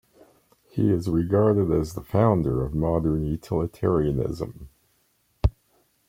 He is regarded as the founder of modern utilitarianism.